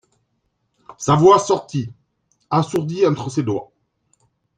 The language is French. Sa voix sortit, assourdie, entre ses doigts.